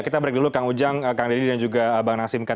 kita break dulu kang ujang kang deddy dan juga bang nasimkan